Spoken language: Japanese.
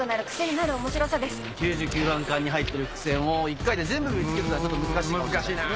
９９分間に入ってる伏線を１回で全部見つけるのはちょっと難しいかもしれないです。